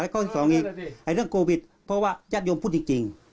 แล้วก็สองอีกไอ้เรื่องโกวิดเพราะว่าญาติโยมพูดจริงจริง